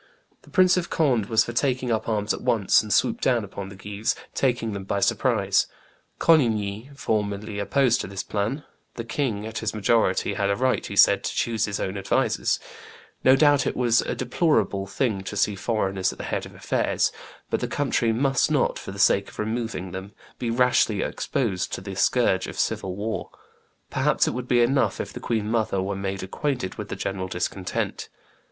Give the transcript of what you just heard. The Prince of Conde was for taking up arms at once and swoop down upon the Guises, taking them by surprise. Coligny formally opposed this plan; the king, at his majority, had a right, he said, to choose his own advisers; no doubt it was a deplorable thing to see foreigners at the head of affairs, but the country must not, for the sake of removing them, be rashly exposed to the scourge of civil war; perhaps it would be enough if the queen mother were made acquainted with the general discontent.